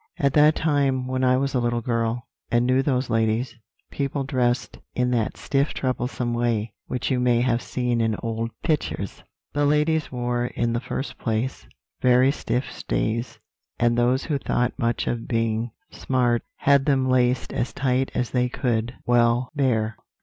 "At that time, when I was a little girl, and knew those ladies, people dressed in that stiff troublesome way which you may have seen in old pictures. "The ladies wore, in the first place, very stiff stays; and those who thought much of being smart, had them laced as tight as they could well bear.